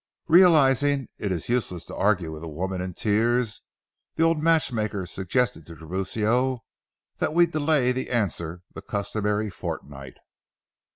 Realizing it is useless to argue with a woman in tears, the old matchmaker suggested to Tiburcio that we delay the answer the customary fortnight.